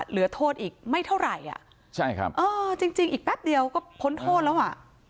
เหลือโทษอีกไม่เท่าไหร่จริงอีกแป๊บเดียวก็พ้นโทษแล้ว